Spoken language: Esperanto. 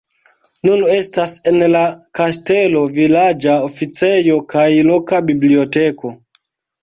Nun estas en la kastelo vilaĝa oficejo kaj loka biblioteko.